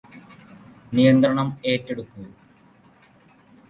നിയന്ത്രണം ഏറ്റെടുക്കൂ